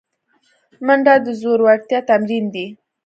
منډه د زړورتیا تمرین دی